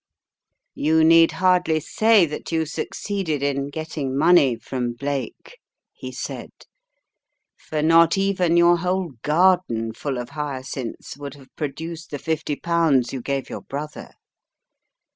"You need hardly say that you succeeded in getting money from Blake," he said, "for not even your whole garden full of hyacinths would have produced the £50 you gave your brother.